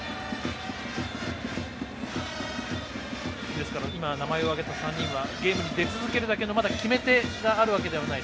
ですから今、名前を挙げた３人はゲームに出続けるだけの決め手があるわけではない。